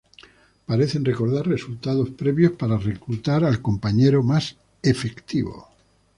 Parecen recordar resultados previos para reclutar al compañero más efectivo.